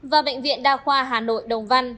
và bệnh viện đa khoa hà nội đồng văn